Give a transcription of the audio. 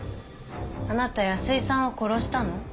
あなた安井さんを殺したの？